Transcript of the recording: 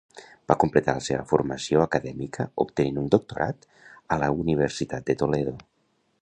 Va completar la seva formació acadèmica obtenint un doctorat a la Universitat de Toledo.